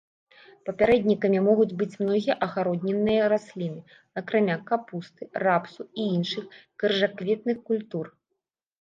Папярэднікамі могуць быць многія агароднінныя расліны, акрамя капусты, рапсу і іншых крыжакветных культур.